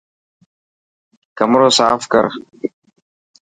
ڪمرو ساف ڪر.